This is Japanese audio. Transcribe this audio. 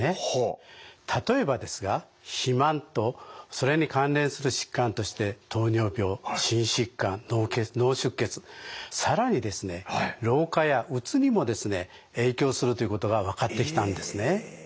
例えばですが肥満とそれに関連する疾患として糖尿病心疾患脳出血更にですね老化やうつにもですね影響するということが分かってきたんですね。